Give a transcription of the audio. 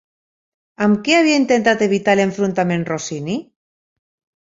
Amb què havia intentat evitar l'enfrontament Rossini?